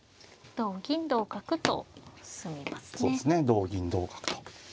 同銀同角と。